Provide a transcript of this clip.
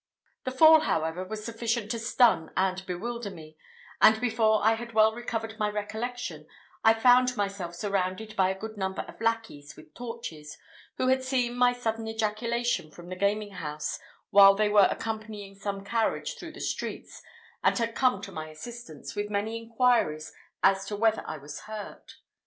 The fall, however, was sufficient to stun and bewilder me; and before I had well recovered my recollection, I found myself surrounded by a good number of lackeys with torches, who had seen my sudden ejaculation from the gaming house while they were accompanying some carriage through the streets, and had come to my assistance, with many inquiries as to whether I was hurt.